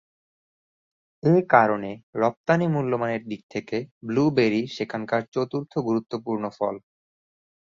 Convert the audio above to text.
এ কারণে রপ্তানি মূল্যমানের দিক থেকে ব্লুবেরি সেখানকার চতুর্থ গুরুত্বপূর্ণ ফল।